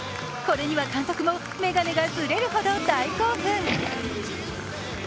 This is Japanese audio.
これには監督も眼鏡がずれるほど大興奮。